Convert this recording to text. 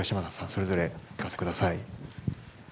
それぞれお聞かせください。